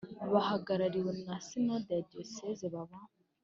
Bahagarariwe na sinode ya diyoseze baba